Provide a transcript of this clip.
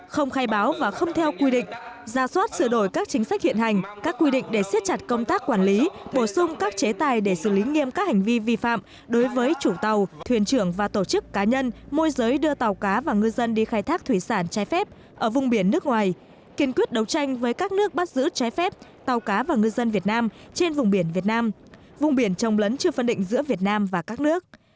không khai báo và không theo quy định ra soát sửa đổi các chính sách hiện hành các quy định để siết chặt công tác quản lý bổ sung các chế tài để xử lý nghiêm các hành vi vi phạm đối với chủ tàu thuyền trưởng và tổ chức cá nhân môi giới đưa tàu cá và ngư dân đi khai thác thủy sản trái phép ở vùng biển nước ngoài kiên quyết đấu tranh với các nước bắt giữ trái phép tàu cá và ngư dân việt nam trên vùng biển việt nam vùng biển trong lấn chưa phân định giữa việt nam và các nước